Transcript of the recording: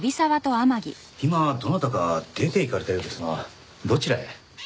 今どなたか出て行かれたようですがどちらへ？